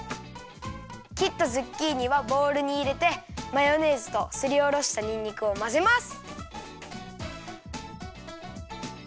きったズッキーニはボウルにいれてマヨネーズとすりおろしたにんにくをまぜます。